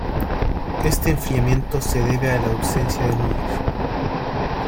Este enfriamiento se debe a la ausencia de nubes.